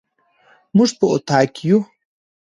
موږ په اطاق کي يو